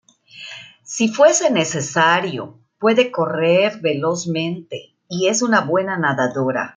Si fuese necesario, puede correr velozmente, y es una buena nadadora.